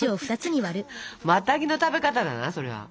マタギの食べ方だなそれは。